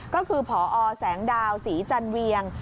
ก็คือพอแสงดาวศรีจันเวียง